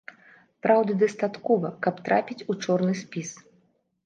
Праўды дастаткова, каб трапіць у чорны спіс!